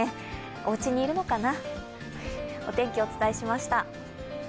おうちにいるのかな。